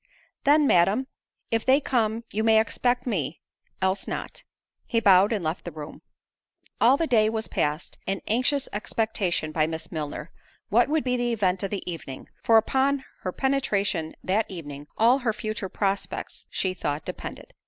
"Then, Madam, if they come, you may expect me—else not." He bowed and left the room. All the day was passed in anxious expectation by Miss Milner, what would be the event of the evening: for upon her penetration that evening all her future prospects she thought depended.